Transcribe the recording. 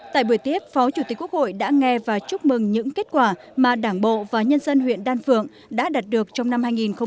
tại buổi tiếp phó chủ tịch quốc hội đã nghe và chúc mừng những kết quả mà đảng bộ và nhân dân huyện đan phượng đã đạt được trong năm hai nghìn một mươi tám